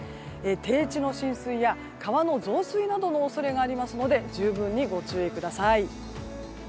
低地の浸水や川の増水などの恐れがありますので十分にご注意ください。